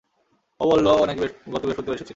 ও বলল, ও নাকি গত বৃহস্পতিবার এসেছিল।